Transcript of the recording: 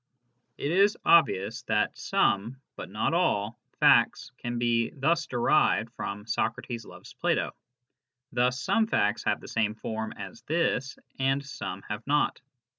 It is obvious that some, but not all, facts can be thus derived from " Socrates loves Plato." Thus some facts have the same form as this, and some have not.